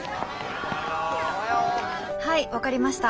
はい分かりました。